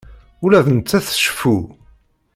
Ula d nettat tceffu.